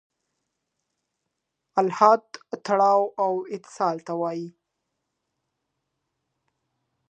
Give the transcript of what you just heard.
الحاد تړلو او اتصال ته وايي.